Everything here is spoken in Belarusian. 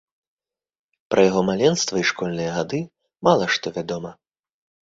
Пра яго маленства і школьныя гады мала што вядома.